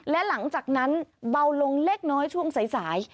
และหลังจากนั้นเบาลงเล็กน้อยช่วงสาย